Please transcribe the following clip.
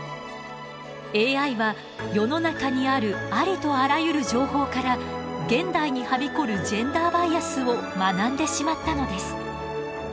ＡＩは世の中にあるありとあらゆる情報から現代にはびこるジェンダーバイアスを学んでしまったのです。